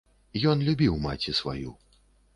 Ён любіў маці сваю.